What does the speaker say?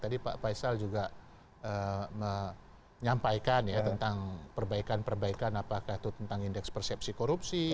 tadi pak faisal juga menyampaikan ya tentang perbaikan perbaikan apakah itu tentang indeks persepsi korupsi